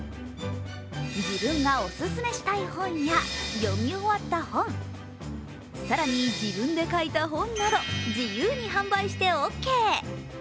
自分がオススメしたい本や読み終わった本、更に時分で書いた本など自由に販売してオーケー。